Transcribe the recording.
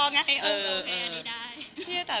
มันไม่ค่อยดีอะ